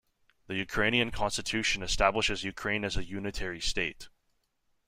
The Ukrainian constitution establishes Ukraine as a unitary state.